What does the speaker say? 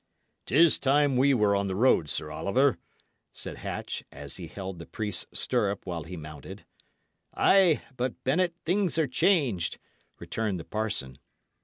"'Tis time we were on the road, Sir Oliver," said Hatch, as he held the priest's stirrup while he mounted. "Ay; but, Bennet, things are changed," returned the parson.